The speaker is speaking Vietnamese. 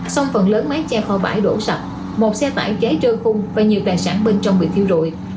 xong phần lớn mái che kho bãi đổ sập một xe bãi cháy trơn khung và nhiều tài sản bên trong bị thiêu rụi